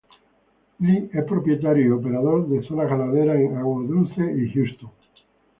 Lee es propietario y operador de zonas ganaderas en Aguadulce y Houston.